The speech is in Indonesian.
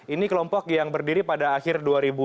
ini kelompok yang berdiri pada akhir dua ribu dua puluh